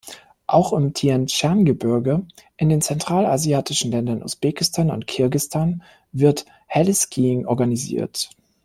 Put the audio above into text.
Auch im Tienschan-Gebirge in den zentralasiatischen Ländern Usbekistan und Kirgistan wird Heliskiing organisiert.